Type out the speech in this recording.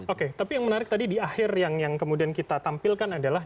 oke tapi yang menarik tadi di akhir yang kemudian kita tampilkan adalah